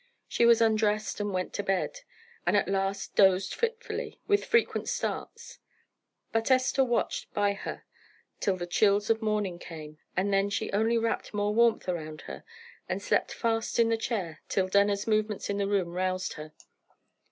She was undressed and went to bed; and at last dozed fitfully, with frequent starts. But Esther watched by her till the chills of morning came, and then she only wrapped more warmth around her, and slept fast in the chair till Denner's movement in the room roused her.